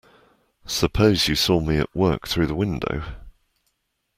Suppose you saw me at work through the window.